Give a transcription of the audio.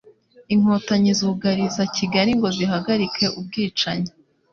Inkotanyi zugariza Kigali ngo zihagarike ubwicanyi